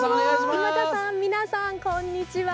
今田さん、皆さんこんにちは。